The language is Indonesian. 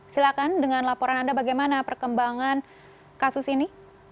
silahkan dengan laporan anda bagaimana perkembangan kasus ini